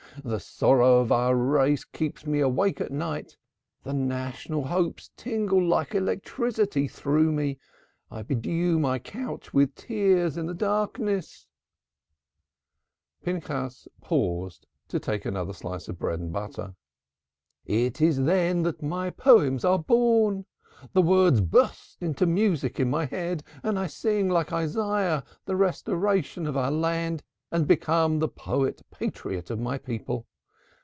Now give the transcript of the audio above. The sorrow of our race keeps me awake at night the national hopes tingle like electricity through me I bedew my couch with tears in the darkness" Pinchas paused to take another slice of bread and butter. "It is then that my poems are born. The words burst into music in my head and I sing like Isaiah the restoration of our land, and become the poet patriot of my people.